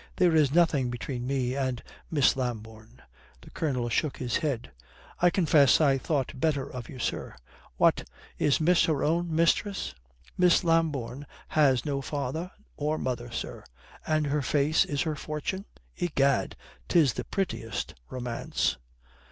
"There is nothing between me and Miss Lambourne." The Colonel shook his head. "I confess I thought better of you, sir. What, is miss her own mistress?" "Miss Lambourne has no father or mother, sir." "And her face is her fortune? Egad, 'tis the prettiest romance!"